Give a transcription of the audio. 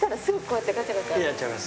やっちゃいます。